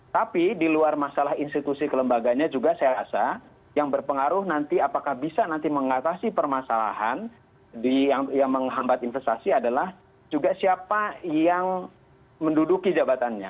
tapi di luar masalah institusi kelembaganya juga saya rasa yang berpengaruh nanti apakah bisa nanti mengatasi permasalahan yang menghambat investasi adalah juga siapa yang menduduki jabatannya